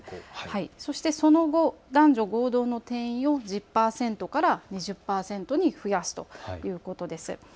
そしてその後、男女合同の定員を１０％から２０％に増やすということです。